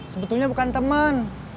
sebetulnya bukan temen